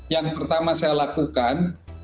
yang pertama saya lakukan